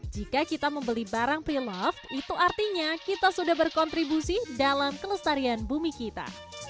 jika kita membeli barang pre love itu artinya kita sudah berkontribusi dalam kelestarian bumi kita